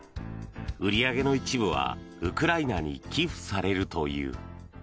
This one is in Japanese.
売り上げの一部はウクライナに寄付されるという。